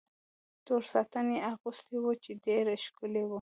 تور ساټن یې اغوستی و، چې ډېر ښکلی و.